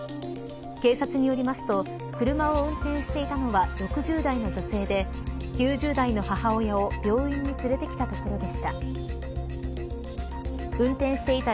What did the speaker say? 警察によりますと車を運転していたのは６０代の女性で９０代の母親を病院に連れてきたところでした。